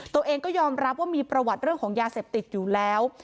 ตัวเองก็ยอมรับว่ามีประวัติเรื่องของยาเสพติดอยู่แล้ว